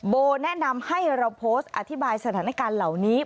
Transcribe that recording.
โบแนะนำให้เราโพสต์อธิบายสถานการณ์เหล่านี้